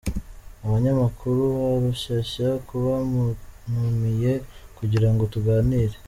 abanyamakuru ba Rushyashya kuba muntumiye kugira ngo tuganire.